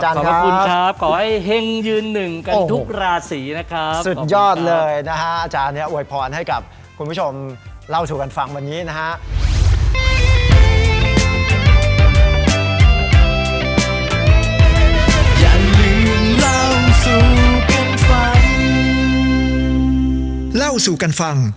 ขอให้แห่งยืนหนึ่งกันทุกราชสีนะครับอาจารย์นี้อวยพรให้กับคุณผู้ชมเล่าสู่กันฟังวันนี้นะครับ